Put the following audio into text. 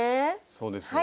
そうです。